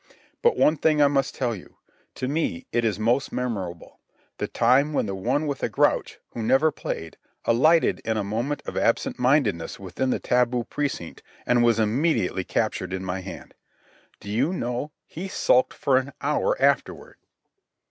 But one thing I must tell you. To me it is most memorable—the time when the one with a grouch, who never played, alighted in a moment of absent mindedness within the taboo precinct and was immediately captured in my hand. Do you know, he sulked for an hour afterward.